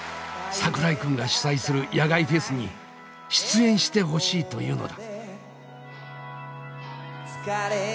桜井くんが主催する野外フェスに出演してほしいというのだ。